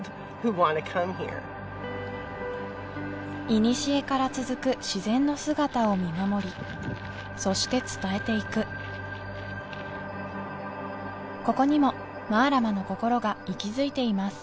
いにしえから続く自然の姿を見守りそして伝えていくここにもマラマのこころが息づいています